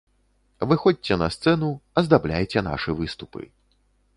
Выходзьце на сцэну, аздабляйце нашы выступы.